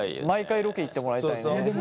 毎回ロケ行ってもらいたいね。